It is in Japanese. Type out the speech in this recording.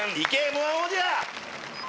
Ｍ−１王者。